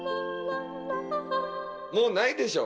もうないでしょ？